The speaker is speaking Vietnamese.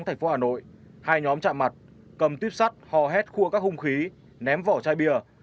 thành phố hà nội hai nhóm chạm mặt cầm tuyếp sắt hò hét khua các hung khí ném vỏ chai bia